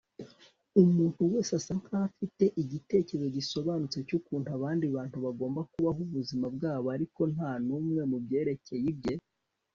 umuntu wese asa nkaho afite igitekerezo gisobanutse cyukuntu abandi bantu bagomba kubaho ubuzima bwabo, ariko ntanumwe mubyerekeye ibye